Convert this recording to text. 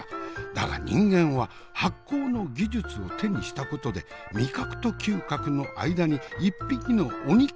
だが人間は発酵の技術を手にしたことで味覚と嗅覚の間に一匹の鬼っ子を産み落としてしまった。